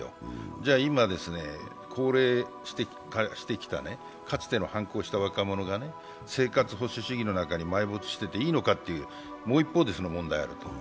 じゃあ今、高齢化してきたかつての反抗した若者が生活保守主義の中に埋没していていいのか、もう一方でその問題があると。